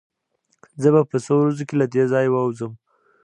زه به په څو ورځو کې له دې ځايه ووځم.